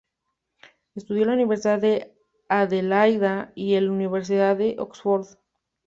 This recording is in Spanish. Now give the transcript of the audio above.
Estudió en la Universidad de Adelaida y en Universidad de Oxford.